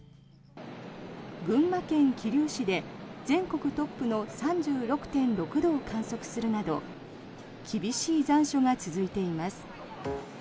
群馬県桐生市で全国トップの３６．６度を観測するなど厳しい残暑が続いています。